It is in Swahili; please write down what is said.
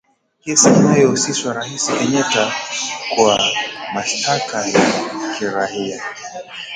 Kesi inayohusishwa rais Kenyatta kwa mashtaka ya kiraia